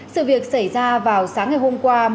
sự việc xảy ra vào sáng ngày hôm qua